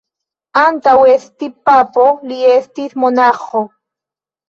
Antaŭ esti papo, li estis monaĥo.